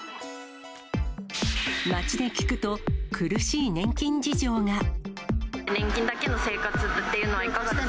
街で聞くと、苦しい年金事情が。年金だけの生活っていうのはいかがですか？